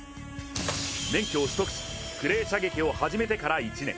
免許を取得、クレー射撃を始めてから１年。